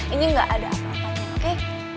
ini gak ada apa apa nih oke